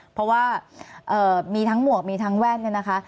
เพราะว่ามีทั้งหมวกมีทั้งแว่นเนี่ยนะคะ